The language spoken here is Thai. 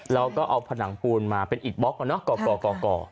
แล้วก็เอาผนังปูนมาเป็นอิดบล็อกก่อ